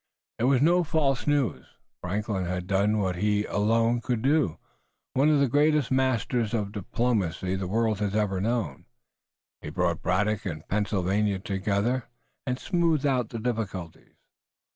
It was no false news. Franklin had done what he alone could do. One of the greatest masters of diplomacy the world has ever known, he brought Braddock and Pennsylvania together, and smoothed out the difficulties.